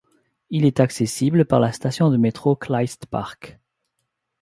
Il est accessible par la station de métro Kleistpark.